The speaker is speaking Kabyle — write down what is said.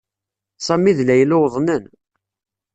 Sami d Layla uḍnen.